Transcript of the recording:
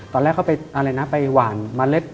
ตอนแรกเขาไปอะไรนะไปหวานเมล็ด